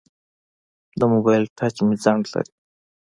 د موبایل ټچ مې ځنډ لري.